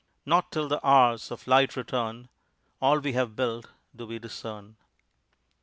Not till the hours of light return, All we have built do we discern.